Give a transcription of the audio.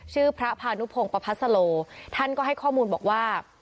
พระพานุพงศ์ประพัสโลท่านก็ให้ข้อมูลบอกว่า